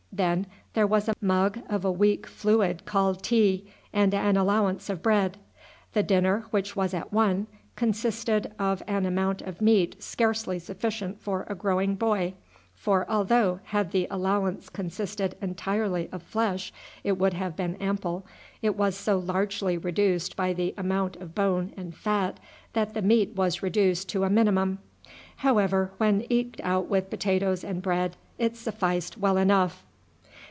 Then there was a mug of a weak fluid called tea, and an allowance of bread. The dinner, which was at one, consisted of an amount of meat scarcely sufficient for a growing boy; for although had the allowance consisted entirely of flesh, it would have been ample, it was so largely reduced by the amount of bone and fat that the meat was reduced to a minimum. However, when eked out with potatoes and bread it sufficed well enough.